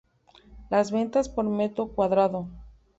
Las "ventas por metro cuadrado".